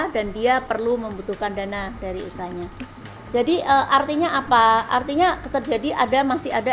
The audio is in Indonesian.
dan dia perlu membutuhkan dana dari usahanya jadi artinya apa artinya terjadi ada masih ada